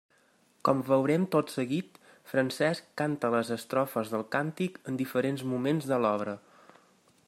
Com veurem tot seguit, Francesc canta les estrofes del Càntic en diferents moments de l'obra.